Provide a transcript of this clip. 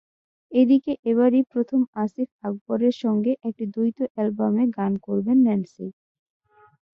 এদিকে এবারই প্রথম আসিফ আকবরের সঙ্গে একটি দ্বৈত অ্যালবামে গান করবেন ন্যান্সি।